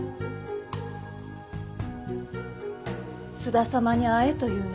津田様に会えと言うの？